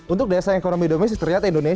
untuk daya saing ekonomi domestik ternyata indonesia